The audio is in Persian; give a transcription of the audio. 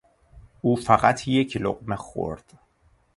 او فقط یک لقمه خورد.